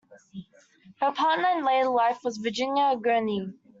Her partner in later life was Virginia Gurnee.